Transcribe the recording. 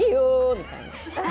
みたいな。